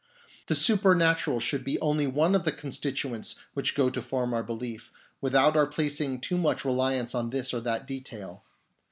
The supernatural should be only one of the constituents which go to form our belief, without our placing too much reliance on this or that detail.